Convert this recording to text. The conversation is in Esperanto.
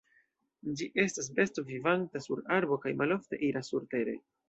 Ĝi estas besto vivanta sur arbo kaj malofte iras surtere.